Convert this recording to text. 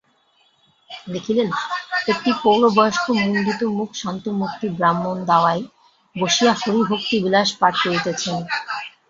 দেখিলেন, একটি প্রৌঢ়বয়স্ক মুণ্ডিতমুখ শান্তমূর্তি ব্রাহ্মণ দাওয়ায় বসিয়া হরিভক্তিবিলাস পাঠ করিতেছেন।